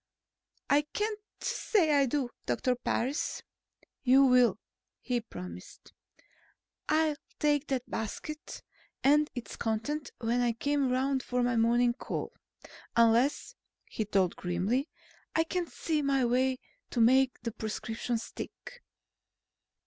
"I can't say I do, Dr. Parris." "You will," he promised. "I'll take that basket and its contents when I come around for my morning call. Unless," he told her grimly, "I can see my way to make the prescription stick."